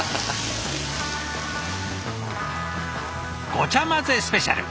ごちゃまぜスペシャル。